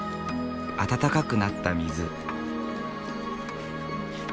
温かくなった水。